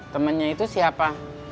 temennya itu siapa